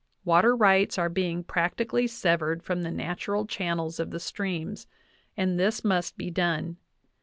... Water rights are being practically sev ered from the natural channels of the streams ; and this must be done.